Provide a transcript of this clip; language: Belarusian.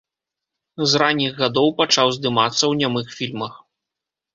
З ранніх гадоў пачаў здымацца ў нямых фільмах.